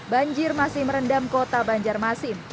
banjir masih merendam kota banjarmasin